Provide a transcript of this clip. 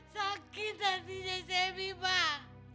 sakit hatinya selvi bang